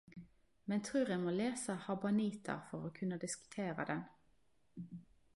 Men trur eg må lesa Habanita for å kunna diskutera den.